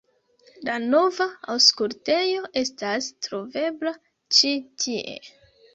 La nova Aŭskultejo estas trovebla ĉi tie.